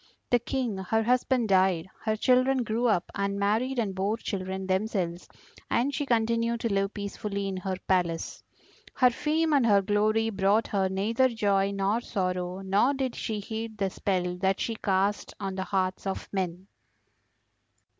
The King her husband died, her children grew up and married and bore children themselves, and she continued to live peacefully in her palace. Her fame and her glory brought her neither joy nor sorrow, nor did she heed the spell that she cast on the hearts of men.